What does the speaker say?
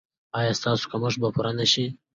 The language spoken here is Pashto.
ایا ستاسو کمښت به پوره نه شي؟